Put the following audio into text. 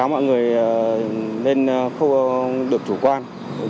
mọi người nên không được chủ quan